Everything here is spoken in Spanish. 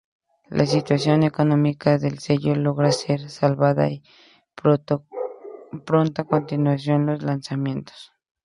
La situación económica del sello logra ser salvada y pronto continúan los lanzamientos.